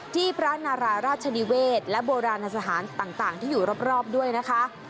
ที่พระนาราราชนิเวศและโบราณสถานต่างที่อยู่รอบด้วยนะคะ